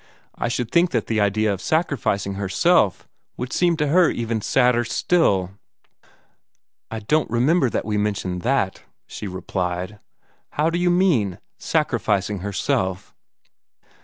I should think that the idea of sacrificing herself would seem to her even sadder still." "I don't remember that we mentioned THAT," she replied. "How do you mean sacrificing herself?"